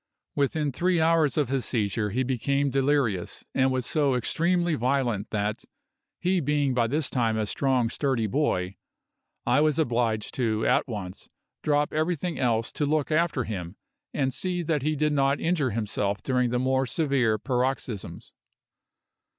Within three hours of his seizure he became delirious and was so extremely violent that he being by this time a strong sturdy boy I was obliged to at once drop everything else to look after him and see that he did not injure himself during the more severe paroxysms.